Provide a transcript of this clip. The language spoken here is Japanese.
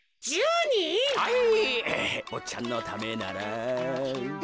ぼっちゃんのためなら。